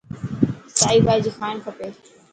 سائي ڀاڄي کائڻ کپي.